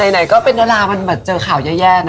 อ่ะนายก็ก็เป็นเวลามันเจอข่าวแย่